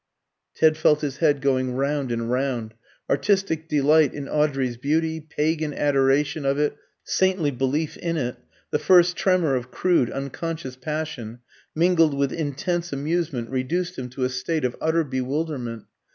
Ted felt his head going round and round. Artistic delight in Audrey's beauty, pagan adoration of it, saintly belief in it, the first tremor of crude unconscious passion, mingled with intense amusement, reduced him to a state of utter bewilderment.